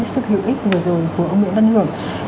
sự hữu ích vừa rồi của ông nguyễn văn hưởng